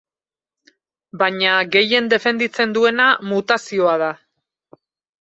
Baina gehien defenditzen duena mutazioa da.